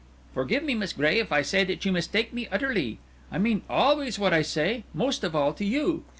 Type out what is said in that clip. "Forgive me, Miss Gray, if I say that you mistake me utterly. I mean always what I say most of all to you.